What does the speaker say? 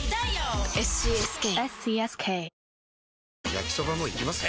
焼きソバもいきます？